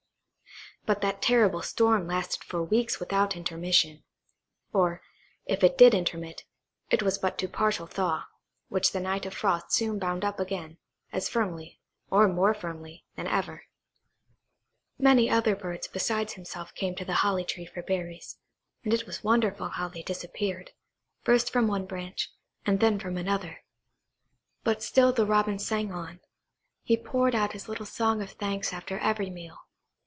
But that terrible storm lasted for weeks without intermission; or, if it did intermit, it was but to a partial thaw, which the night of frost soon bound up again, as firmly, or more firmly, than ever. Many other birds besides himself came to the holly tree for berries, and it was wonderful how they disappeared, first from one branch, and then from another; but still the Robin sang on. He poured out his little song of thanks after every meal.